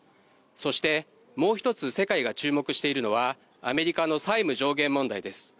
そして、もう一つ世界が注目しているのはアメリカの債務上限問題です。